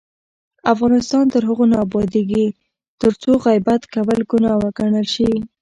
افغانستان تر هغو نه ابادیږي، ترڅو غیبت کول ګناه وګڼل شي.